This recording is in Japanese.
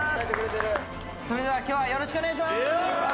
それでは今日はよろしくお願いします。